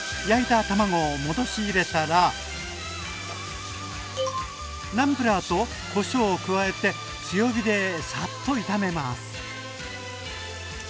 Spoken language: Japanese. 焼いた卵を戻し入れたらナムプラーとこしょうを加えて強火でサッと炒めます。